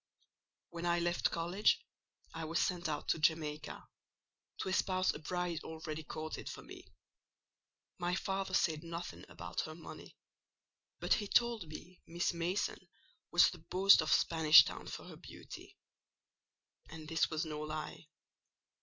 When I left college, I was sent out to Jamaica, to espouse a bride already courted for me. My father said nothing about her money; but he told me Miss Mason was the boast of Spanish Town for her beauty: and this was no lie.